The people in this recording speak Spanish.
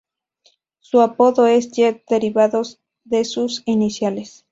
Su apodo es "Jet" derivadas de su iniciales.